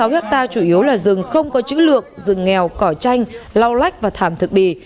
hai mươi sáu hectare chủ yếu là rừng không có chữ lược rừng nghèo cỏ chanh lau lách và thảm thực bì